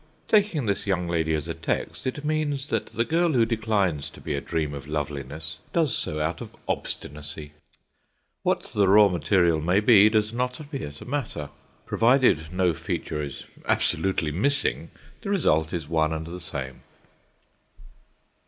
Taking this young lady as a text, it means that the girl who declines to be a dream of loveliness does so out of obstinacy. What the raw material may be does not appear to matter. Provided no feature is absolutely missing, the result is one and the same.